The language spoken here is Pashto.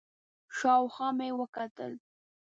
شاوخوا مې وکتل،